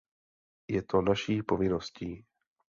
Je to naší povinností.